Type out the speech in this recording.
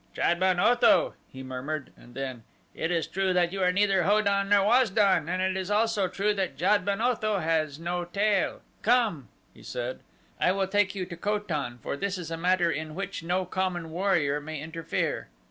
"Jad ben Otho!" he murmured, and then, "It is true that you are neither Ho don nor Waz don, and it is also true that Jad ben Otho has no tail. Come," he said, "I will take you to Ko tan, for this is a matter in which no common warrior may interfere.